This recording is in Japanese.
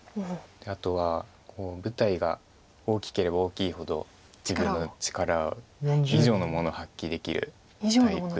あとは舞台が大きければ大きいほど自分の力以上のものを発揮できるタイプ。